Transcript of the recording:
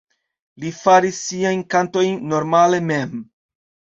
Li faris siajn kantojn normale mem.